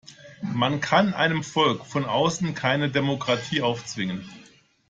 Man kann einem Volk von außen keine Demokratie aufzwingen.